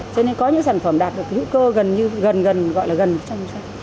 cho nên có những sản phẩm đạt được hữu cơ gần như gần gần gọi là gần trong sản xuất